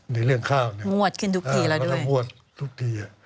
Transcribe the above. ในเรื่องข้าวรัฐภัทรมงวดทุกที